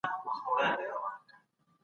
لويه جرګه په ټولنه کي سياسي پوهاوی زياتوي.